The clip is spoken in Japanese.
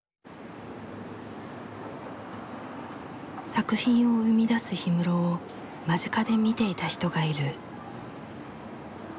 作品を生み出す氷室を間近で見ていた人がいる。